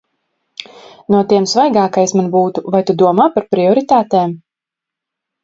No tiem svaigākais man būtu – vai tu domā par prioritātēm?